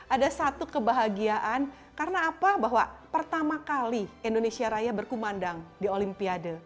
ada satu kebahagiaan karena apa bahwa pertama kali indonesia raya berkumandang di olimpiade